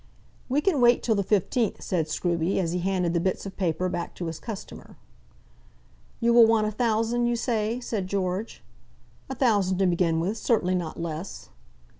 "We can wait till the 15th," said Scruby, as he handed the bits of paper back to his customer. "You will want a thousand, you say?" said George. "A thousand to begin with. Certainly not less."